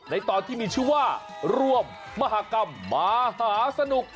ในตอนที่มีชื่อว่าร่วมมหากรรมมหาสนุก